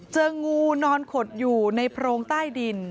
เจองูนอนขดอยู่ในโพรงใต้ดิน